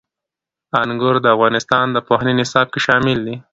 انګور د افغانستان د پوهنې نصاب کې شامل دي.